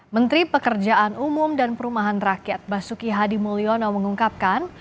menteri pekerjaan umum dan perumahan rakyat basuki hadi mulyono mengungkapkan